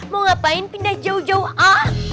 mau ngapain pindah jauh jauh a